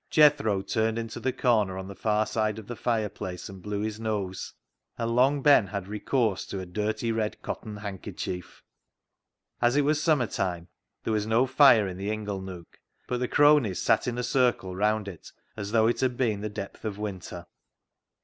Jethro turned into the corner on the far side of the fireplace and blew his nose, and Long Ben had recourse to a dirty red cotton handkerchief. As it was summer time, there was no fire in the ingle nook, but the cronies sat in a circle round it as though it had been the depth of winter.